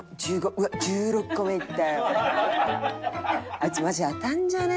「あいつマジあたんじゃね？